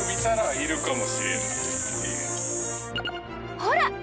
ほら！